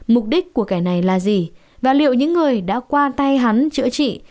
mục đích của kẻ này là gì và liệu những người đã qua tay hắn chữa trị